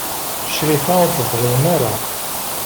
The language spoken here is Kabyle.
Crifa ur teḍlim ara.